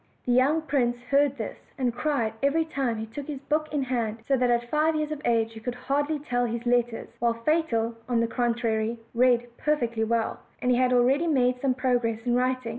The young prince heard this, and cried every time he took his book in hand so that at five years of age he could hardly tell his letters; while Fatal, on the contrary, read perfectly well, and had already made some progress in writing.